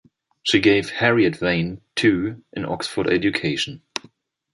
She gave Harriet Vane, too, an Oxford education.